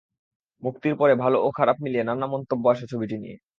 মুক্তির পরে ভালো ও খারাপ মিলিয়ে নানা মন্তব্য আসে ছবিটি নিয়ে।